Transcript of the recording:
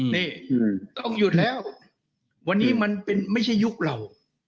นี่ต้องหยุดแล้ววันนี้มันเป็นไม่ใช่ยุคเรา